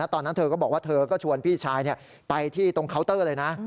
ตอนนั้นเธอก็บอกว่าเธอก็ชวนพี่ชายไปที่ตรงเคาน์เตอร์เลยนะ